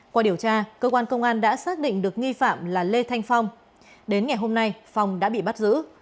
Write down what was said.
qua điều tra cơ quan công an đã xác định được nghi phạm là lê thanh phong đến ngày hôm nay phong đã bị bắt giữ